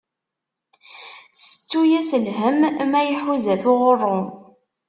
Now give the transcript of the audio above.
Settu-as lhem, ma iḥuza-t uɣuṛṛu.